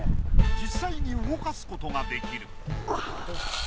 実際に動かすことができる